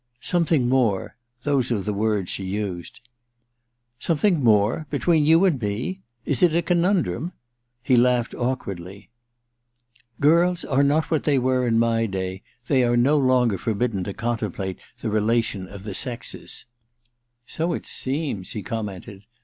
Something more — ^those were the words she used/ * Something more ? Between — ^between you and me ? Is it a conundrum ?' He laughed awkwardly. * Girls are not what they were in my day ; they are no longer forbidden to contemplate the relation of the sexes.* * So it seems !' he commented.